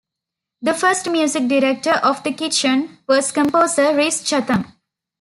The first music director of The Kitchen was composer Rhys Chatham.